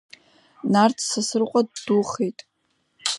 Нарҭ Сасрыҟәа ддухет.